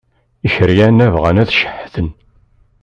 Ikeryan-a bɣan ad ceḥḥden.